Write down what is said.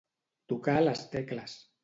Tocar les tecles.